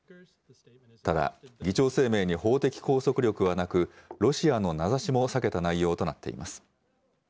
ただ議長声明に法的拘束力はなくロシアの名指しも避けた内容となっています。